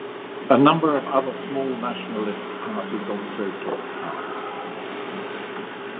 A number of other small nationalist parties also took part.